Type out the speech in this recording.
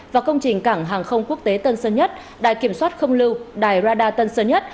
và công trình cảng hàng không quốc tế tân sơn nhất đài kiểm soát không lưu đài radar tân sơn nhất